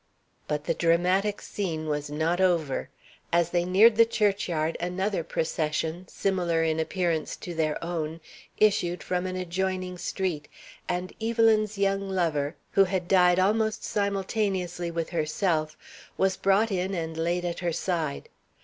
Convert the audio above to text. "But the dramatic scene was not over. As they neared the churchyard another procession, similar in appearance to their own, issued from an adjoining street, and Evelyn's young lover, who had died almost simultaneously with herself, was brought in and laid at her side.